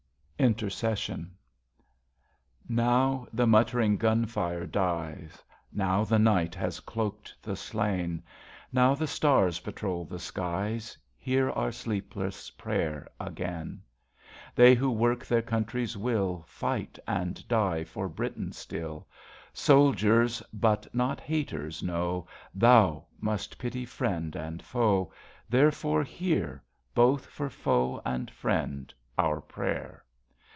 76 INTERCESSION Now the muttering gun fire dies, Now the night has cloaked the slain, Now the stars patrol the skies, Hear our sleepless prayer again ! They who work their country's will, Fight and die for Britain still, Soldiers, but not haters, know Thou must pity friend and foe. Therefore hear, Both for foe and friend, our prayer.